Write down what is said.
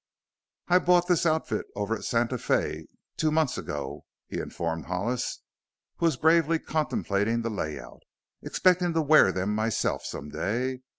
"I bought this outfit over at Santa Fé two months ago," he informed Hollis, who was gravely contemplating the lay out, "expectin' to wear them myself some day.